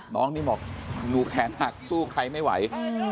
น้องนี่บอกหนูแขนหักสู้ใครไม่ไหว